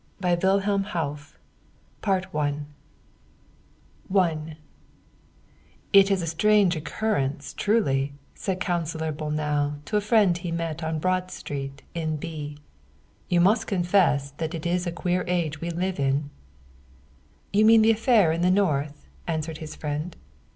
82 Wilhelm Hauff The Singer I "TT is a strange occurrence, truly," said Councilor Bol nau to a friend whom he met on Broad Street in B. " You must confess that this a queer age we live in." " You mean the affair in the North ?" answered his friend.